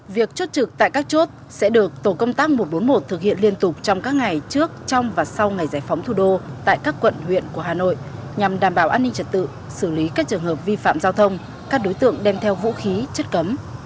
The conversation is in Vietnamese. việc chốt trực tại các chốt sẽ được tổ công tác một trăm bốn mươi một thực hiện liên tục trong các ngày trước trong và sau ngày giải phóng thủ đô tại các quận huyện của hà nội nhằm đảm bảo an ninh trật tự xử lý các trường hợp vi phạm giao thông các đối tượng đem theo vũ khí chất cấm